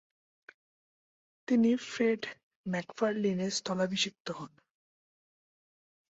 তিনি ফ্রেড ম্যাকফারলিনের স্থলাভিষিক্ত হন।